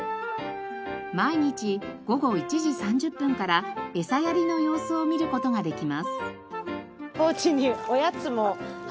毎日午後１時３０分からエサやりの様子を見る事ができます。